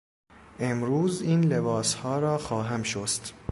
امروز این لباسها را خواهم شست.